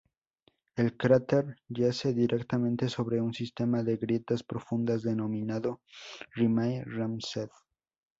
El cráter yace directamente sobre un sistema de grietas profundas denominado Rimae Ramsden.